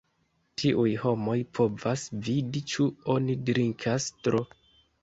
Tiuj homoj povas vidi ĉu oni drinkas tro.